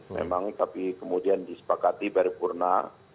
memang tapi kemudian disepakati paripurna